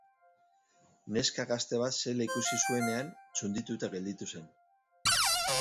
Neska gazte bat zela ikusi zuenean txundituta gelditu zen.